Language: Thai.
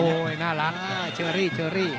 โอ้ยน่ารักเชอรี่